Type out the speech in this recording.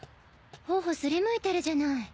頬すりむいてるじゃない。